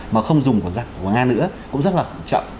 mà không dùng của nga nữa cũng rất là trọng